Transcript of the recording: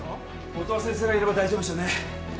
音羽先生がいれば大丈夫ですよね